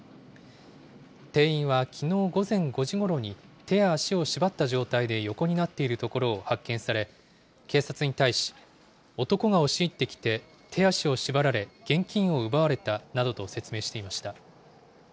店員はきのう午前５時ごろに、手や足を縛った状態で横になっているところを発見され、警察に対し、男が押し入ってきて手足を縛られ、現金を奪われたなどと説明していました。